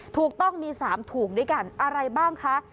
ถูกต้องมี๓ถุงด้วยกันอะไรบ้างคะ